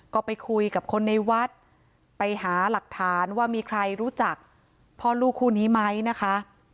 ก็ไปคุยกับคนในวัดไปหาหลักฐานว่ามีใครรู้จักพ่อลูกคู่นี้ไหมนะคะ